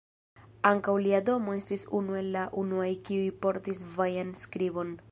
Ankaŭ, lia domo estis unu el la unuaj kiuj portis vajan skribon.